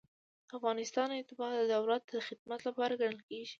د افغانستان اتباع د دولت د خدمت لپاره منل کیږي.